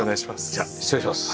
じゃあ失礼します。